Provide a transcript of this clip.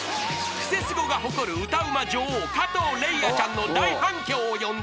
［『クセスゴ』が誇る歌うま女王加藤礼愛ちゃんの大反響を呼んだ